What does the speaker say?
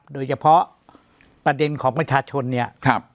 โดยเฉพาะประเด็นของประชาชนเนี่ย